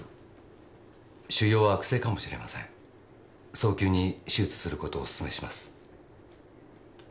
早急に手術することをお勧めします